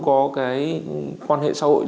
có cái quan hệ xã hội